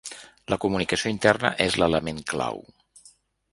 La comunicació interna és l’element clau.